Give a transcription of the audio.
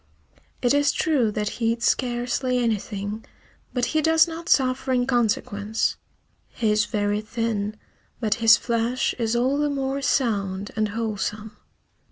It is true that he eats scarcely anything, but he does not suffer in consequence. He is very thin, but his flesh is all the more sound and wholesome.